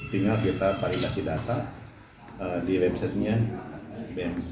tinggal kita validasi data di websitenya bem